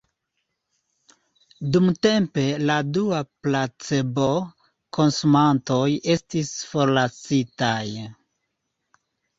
Dumtempe la du placebo-konsumantoj estis forlasitaj.